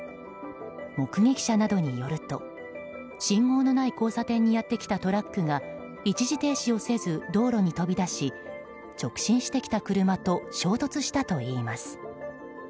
目撃者などによると信号のない交差点にやってきたトラックが一時停止をせず道路に飛び出し直進してきた車と衝突したといいます。